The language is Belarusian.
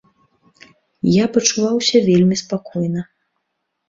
Я пачуваўся вельмі спакойна.